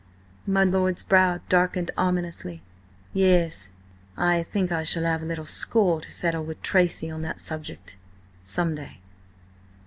My lord's brow darkened ominously. "Ye s. I think I shall have a little score to settle with Tracy on that subject–some day."